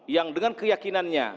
yang dengan keyakinannya